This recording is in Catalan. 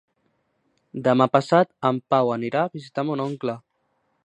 Demà passat en Pau anirà a visitar mon oncle.